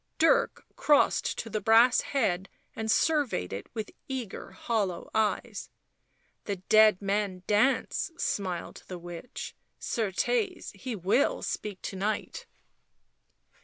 Dirk crossed to the brass head and surveyed it with eager hollow eyes. " The dead men dance," smiled the witch. " Certes, he will speak to night."